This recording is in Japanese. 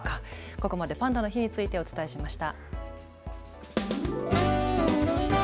ここまでパンダの日についてお伝えしました。